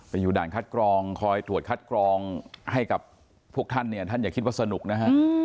อยู่ด่านคัดกรองคอยตรวจคัดกรองให้กับพวกท่านเนี่ยท่านอย่าคิดว่าสนุกนะฮะ